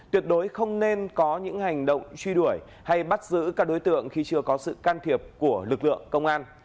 tuyệt đối không nên có những hành động truy đuổi hay bắt giữ các đối tượng khi chưa có sự can thiệp của lực lượng công an